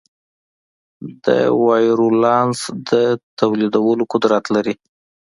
د وایرولانس د تولیدولو قدرت لري.